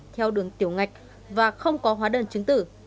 theo đường tiểu ngạch và không có hóa đơn chứng tử